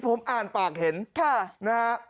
ผมอ่านปากเห็นนะฮะ